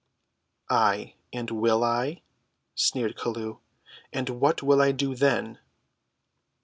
"Ay, and will I?" sneered Chelluh; "and what will I do then?"